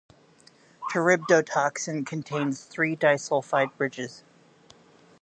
Charybdotoxin contains three disulfide bridges.